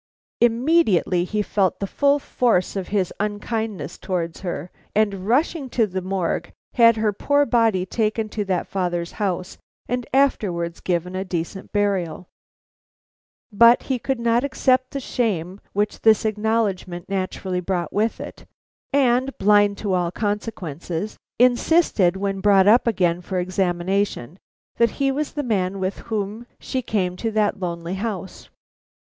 Immediately he felt the full force of his unkindness towards her, and rushing to the Morgue had her poor body taken to that father's house and afterwards given a decent burial. But he could not accept the shame which this acknowledgment naturally brought with it, and, blind to all consequences, insisted, when brought up again for examination, that he was the man with whom she came to that lonely house.